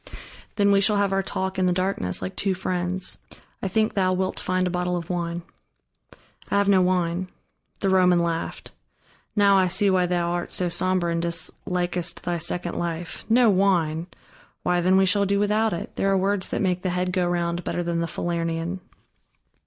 "Then we shall have our talk in the darkness, like two friends. I think thou wilt find a bottle of wine." "I have no wine." The Roman laughed. "Now I see why thou art so somber and dislikest thy second life. No wine! Why, then we shall do without it: there are words that make the head go round better than the Falernian."